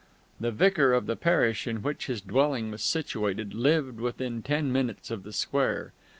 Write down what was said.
The vicar of the parish in which his dwelling was situated lived within ten minutes of the square.